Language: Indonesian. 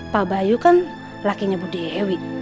pak bayu kan lakinya bu dewi